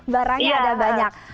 barangnya ada banyak